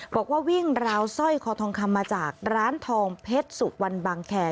บอกว่าวิ่งราวสร้อยคอทองคำมาจากร้านทองเพชรสุวรรณบางแคร์